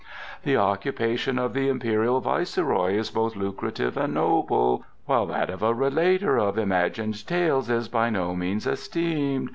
The occupation of the Imperial viceroy is both lucrative and noble; While that of a relater of imagined tales is by no means esteemed.